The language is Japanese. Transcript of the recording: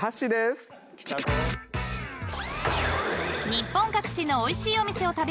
［日本各地のおいしいお店を食べ歩き